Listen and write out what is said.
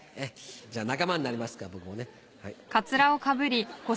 じゃあ仲間になりますから僕もね。